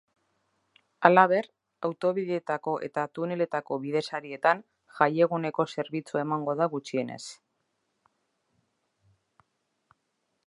Halaber, autobideetako eta tuneletako bide-sarietan jaieguneko zerbitzua emango da gutxienez.